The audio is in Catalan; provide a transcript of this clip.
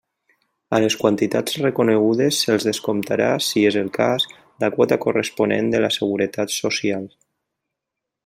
A les quantitats reconegudes se'ls descomptarà, si és el cas, la quota corresponent de la Seguretat Social.